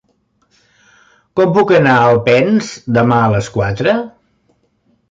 Com puc anar a Alpens demà a les quatre?